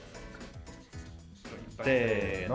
せの。